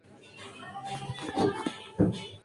Formó parte del Vizcondado de Castellbó.